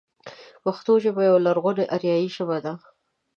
پښتو ژبه يوه لرغونې اريايي ژبه ده.